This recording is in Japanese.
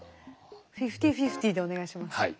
フィフティーフィフティーでお願いします。